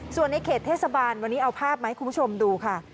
ส่วนในเขตเทศบาลวันนี้เอาภาพมาให้คุณผู้ชมดูค่ะ